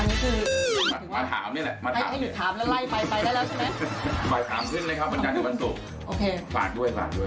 วันนี้คือมาถามนี่แหละให้มีถามแล้วไล่ไปไปเลยใช่ไหมไปถามขึ้นเวลาเหมือนก่อนถึงวันศูนย์พลากด้วยพลากด้วย